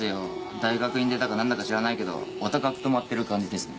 大学院出だかなんだか知らないけどお高くとまってる感じですね。